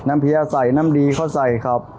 น้ำเพียร์เขาใส่น้ำดีเขาใส่ครับ